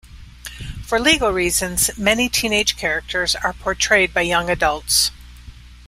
For legal reasons, many teenage characters are portrayed by young adults.